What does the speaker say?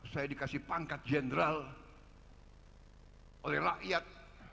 saya dikasih pangkat jenderal oleh rakyat